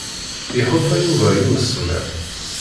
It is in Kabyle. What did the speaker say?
Iḥulfa Yuba i usemmiḍ.